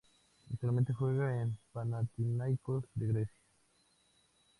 Actualmente juega en Panathinaikos de Grecia.